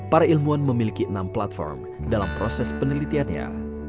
para ilmuwan memiliki enam platform dalam proses penelitiannya